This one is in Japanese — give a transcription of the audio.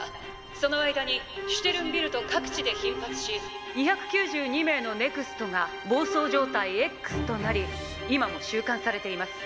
その間にシュテルンビルト各地で頻発し２９２名のＮＥＸＴが暴走状態・Ｘとなり今も収監されています。